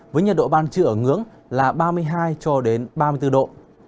với nhật độ ban trự ở ngưỡng là ba mươi hai cho đến ba mươi bốn độ